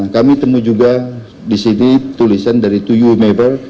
kami temukan juga disini tulisan dari to you whomever